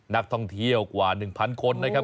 นักท่องเที่ยวกว่า๑๐๐คนนะครับ